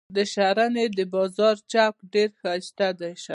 د شرنۍ د بازار چوک ډیر شایسته دي.